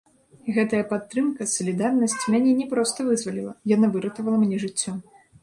Гэтая падтрымка, салідарнасць мяне не проста вызваліла, яна выратавала мне жыццё.